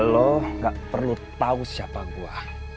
lo nggak perlu tahu siapa gua